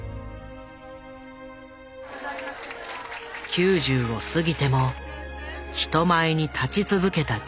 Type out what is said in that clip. ９０を過ぎても人前に立ち続けた寂聴。